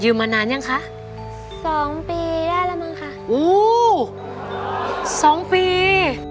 มานานยังคะสองปีได้แล้วมั้งค่ะอู้สองปี